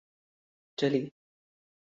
چلی